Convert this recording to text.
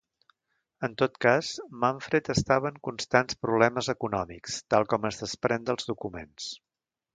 En tot cas, Manfred estava en constants problemes econòmics, tal com es desprèn dels documents.